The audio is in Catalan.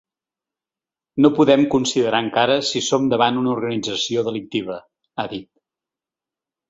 No podem considerar encara si som davant una organització delictiva, ha dit.